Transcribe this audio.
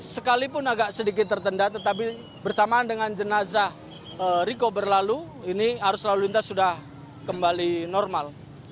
sekalipun agak sedikit tertenda tetapi bersamaan dengan jenazah riko berlalu ini arus lalu lintas sudah kembali normal